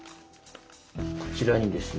こちらにですね